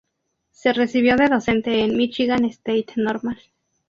Se recibió de docente en "Michigan State Normal".